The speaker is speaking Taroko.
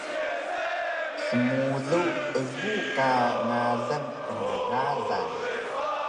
Smulu egu ka ngalan pnegalang